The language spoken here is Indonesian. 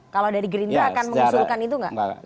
kalau dari gerindra akan mengusulkan itu nggak